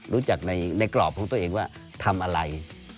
รู้จักในกรอบของตัวเองว่าทำอะไร